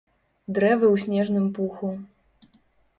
Дрэвы ў снежным пуху.